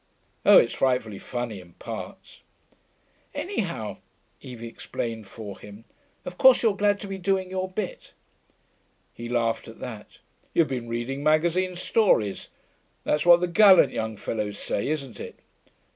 Oh, it's frightfully funny in parts.' 'Anyhow,' Evie explained for him, 'of course you're glad to be doing your bit.' He laughed at that. 'You've been reading magazine stories. That's what the gallant young fellows say, isn't it?...